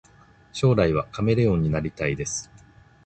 将来はカメレオンになりたいです